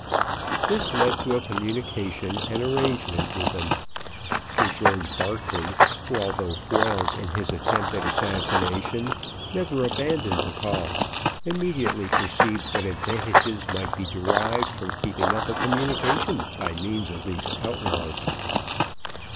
This led to a communication and arrangement with them. Sir George Barclay, who, although foiled in his attempt at assassination, never abandoned the cause, immediately perceived what advantages might be derived in keeping up a communication by means of these outlaws.